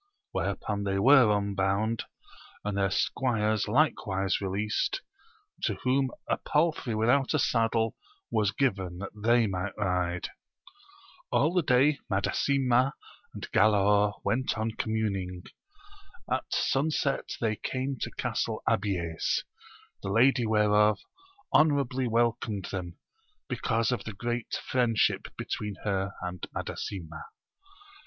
Whereupon they were unbound, and their squires likewise released, to whom a palfrey . without a saddle was given that th6y might ride: ' All the day Madasima and Galaor went on co% muning ; at sunset they came to Castle Abies, the lady whereof honourably welcomed them, because of the great friendship between her and Madasima.